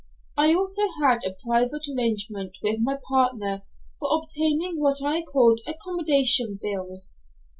I also had a private arrangement with my partner for obtaining what I called accommodation bills.